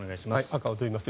赤尾といいます。